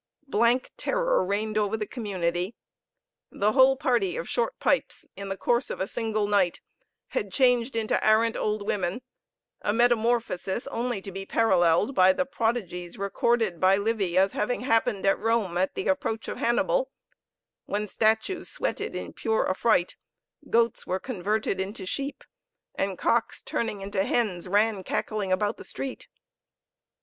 Blank terror reigned over the community. The whole party of Short Pipes in the course of a single night had changed into arrant old women a metamorphosis only to be paralleled by the prodigies recorded by Livy as having happened at Rome at the approach of Hannibal, when statues sweated in pure affright, goats were converted into sheep, and cocks, turning into hens, ran cackling about the street.